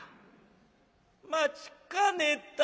「待ちかねた」。